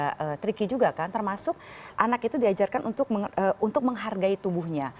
nope kita cari segala kebaikan alongside then learn coaching